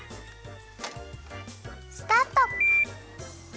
スタート。